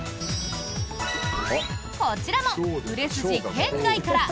こちらも売れ筋圏外から！